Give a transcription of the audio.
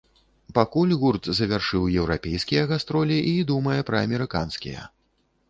Пакуль гурт завяршыў еўрапейскія гастролі і думае пра амерыканскія.